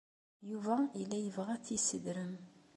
Yuba yella yebɣa ad tt-yessedrem.